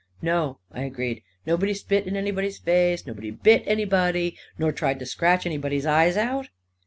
" No," I agreed; " nobody spit in anybody's face; nobody bit anybody, nor tried to scratch anybody's eyes out